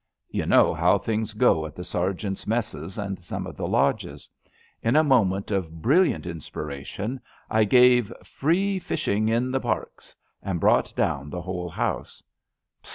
Yon know how things go at the sergeants' messes and some of the lodges. In a moment of brilliant inspiration I gave '* free fish ing in the parks '' and brought down the whole house.